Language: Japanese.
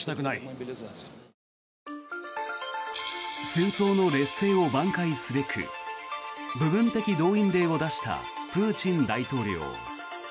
戦争の劣勢をばん回すべく部分的動員令を出したプーチン大統領。